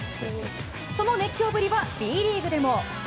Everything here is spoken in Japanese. その熱狂ぶりはＢリーグでも。